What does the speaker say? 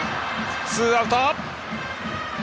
ツーアウト。